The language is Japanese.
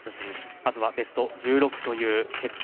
まずはベスト１６という結果